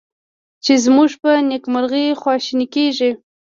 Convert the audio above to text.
چې زمونږ په نیکمرغي خواشیني کیږي